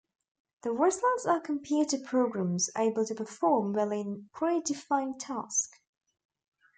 The results are computer programs able to perform well in a predefined task.